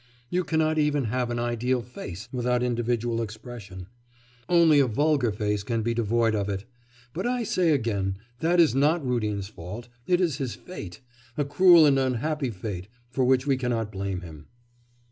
You cannot even have an ideal face without individual expression; only a vulgar face can be devoid of it. But I say again, that is not Rudin's fault; it is his fate a cruel and unhappy fate for which we cannot blame him.